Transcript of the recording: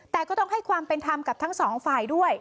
แต่ก็ต้องให้ความเป็นธรรมกับทั้งสองฝ่ายด้วย